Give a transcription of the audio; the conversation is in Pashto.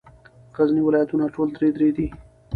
غرني ولایتونه ټول درې درې دي.